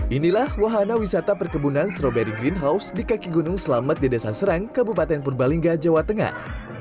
inilah wahana wisata perkebunan stroberi greenhouse di kaki gunung selamet di desa serang kabupaten purbalingga jawa tengah